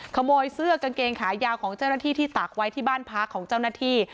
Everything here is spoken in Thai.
ขโมยเสื้อกางเกงขายาวของเจ้าหน้าที่ที่ตากไว้ที่บ้านพักของเจ้าหน้าที่